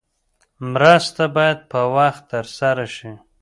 مرسته باید په وخت ترسره شي.